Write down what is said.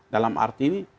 dalam arti ini